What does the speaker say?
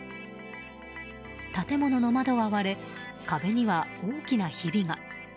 建物の窓は割れ壁には大きなひびが。